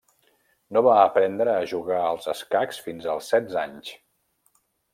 No va aprendre a jugar als escacs fins als setze anys.